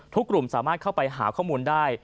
กลุ่มสามารถเข้าไปหาข้อมูลได้